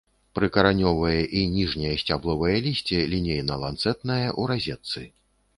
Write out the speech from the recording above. Прыкаранёвае і ніжняе сцябловае лісце лінейна-ланцэтнае, у разетцы.